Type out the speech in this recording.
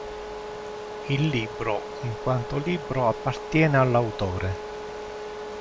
Il libro, in quanto libro, appartiene all‘autore.